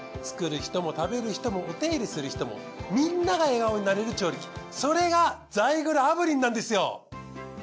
作る人も食べる人もお手入れする人もみんなが笑顔になれる調理器それがザイグル炙輪なんですよ。